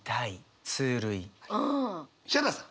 ヒャダさん。